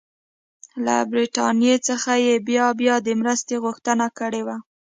له برټانیې څخه یې بیا بیا د مرستې غوښتنه کړې وه.